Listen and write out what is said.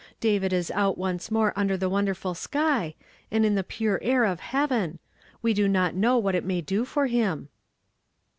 David is out once more under the wonderful sky, and in the pure air of heaven. We do not know what it may do for him."